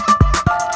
kau mau kemana